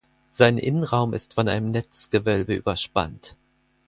Sein Innenraum ist von einem Netzgewölbe überspannt.